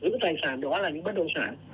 giữ tài sản đó là những bất động sản